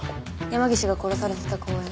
山岸が殺されてた公園。